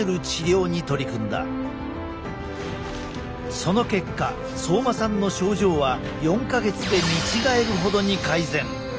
その結果相馬さんの症状は４か月で見違えるほどに改善。